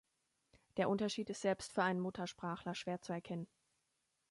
Der Unterschied ist selbst für einen Muttersprachler schwer zu erkennen.